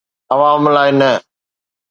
عوام لاءِ نه.